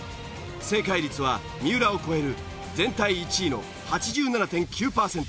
正解率は三浦を超える全体１位の８７．９パーセント。